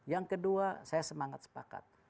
yang kedua saya semangat sepakat